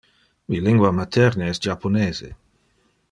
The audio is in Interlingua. Mi lingua materne es japonese.